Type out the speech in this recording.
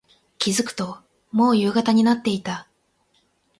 気付くと、もう夕方になっていた。